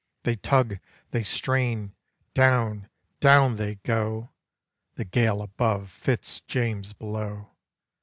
They tug, they strain! down, down they go, The Gael above, Fitz James below.